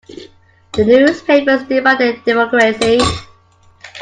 The newspapers demanded democracy.